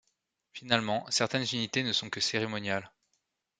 Finalement, certaines unités ne sont que cérémoniales.